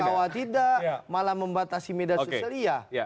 bila sengkawa tidak malah membatasi medan sosial